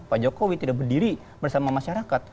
pak jokowi tidak berdiri bersama masyarakat